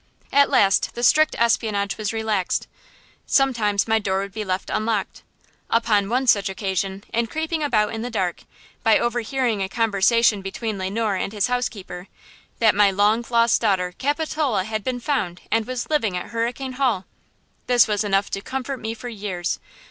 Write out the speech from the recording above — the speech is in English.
At last the strict espionage was relaxed. Sometimes my door would be left unlocked. Upon one such occasion, in creeping about in the dark, I learned, by overhearing a conversation between Le Noir and his housekeeper, that my long lost daughter, Capitola, had been found and was living at Hurricane Hall! This was enough to comfort me for years.